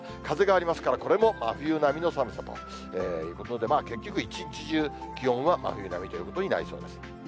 風がありますからこれも真冬並みの寒さということで、結局、一日中、気温は真冬並みということになりそうです。